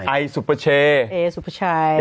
ไอสุปชัย